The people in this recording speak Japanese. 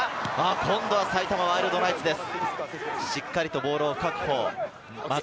今度は埼玉ワイルドナイツです。